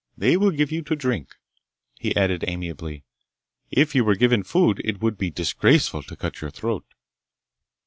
They will give you to drink." He added amiably, "If you were given food, it would be disgraceful to cut your throat."